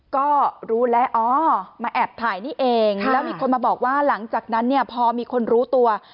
ก็รู้แล้วอ๋อมาแอบถ่ายนี่เองแล้วมีคนมาบอกว่าหลังจากนั้นเนี่ยพอมีคนรู้ตัว